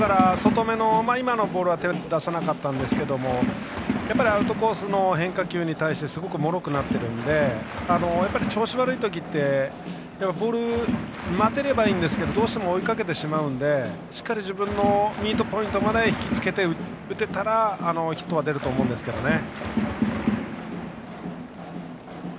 今のボールは手を出しませんでしたがやっぱりアウトコースの変化球に対してすごくもろくなっているので調子が悪いときってボールを待てればいいんですがどうしても追いかけてしまうのでしっかり自分のミートポイントまで引きつけて打てたらヒットは出ると思うんですけどね。